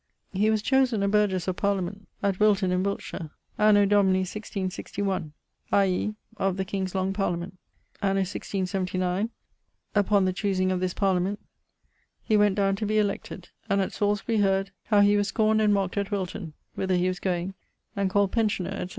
He was chosen a burghes of Parliament at Wilton in Wiltshire, anno Domini 166<1>, i.e. of the King's long parliament. Anno 167<9> upon the choosing of this Parliament, he went downe to be elected, and at Salisbury heard how he was scorned and mocked at Wilton (whither he was goeing) and called Pensioner, etc.